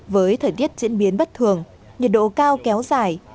với thời tiết diễn biến bất thường nhiệt độ cao kéo dài